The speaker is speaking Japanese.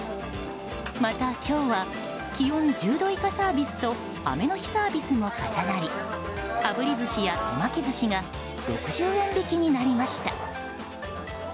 また今日は気温１０度以下サービスと雨の日サービスも重なりあぶり寿司や手巻き寿司が６０円引きになりました。